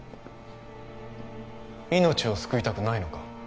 命を救いたくないのか？